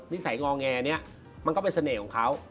นิสัยงอแงเนี่ยมันก็เป็นเสน่ห์ของเขา